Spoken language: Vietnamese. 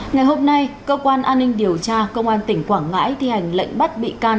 ngày hôm nay cơ quan an ninh điều tra công an tỉnh quảng ngãi thi hành lệnh bắt bị can